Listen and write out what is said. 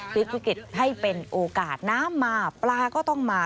พลิกวิกฤตให้เป็นโอกาสน้ำมาปลาก็ต้องมา